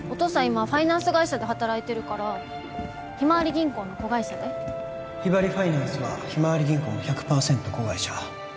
今ファイナンス会社で働いてるからひまわり銀行の子会社でひばりファイナンスはひまわり銀行の１００パーセント子会社